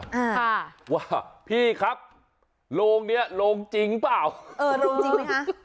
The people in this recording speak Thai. อ่าค่ะว่าพี่ครับโรงเนี้ยโรงจริงเปล่าเออโรงจริงไหมคะ